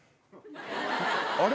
あれ？